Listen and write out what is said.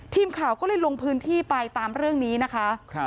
ทีมข่าวก็เลยลงพื้นที่ไปตามเรื่องนี้นะคะ